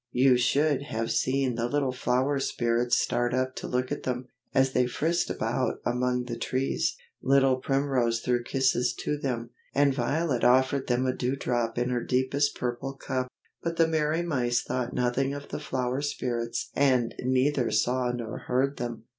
You should have seen the little flower spirits start up to look at them, as they frisked about among the trees. Little Primrose threw kisses to them, and Violet offered them a dew drop in her deepest purple cup; but the merry mice thought nothing of the flower spirits and neither saw nor heard them.